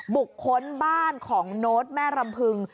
บุคคลบ้านของโน้ตแม่รำพึง